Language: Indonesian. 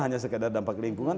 hanya sekadar dampak lingkungan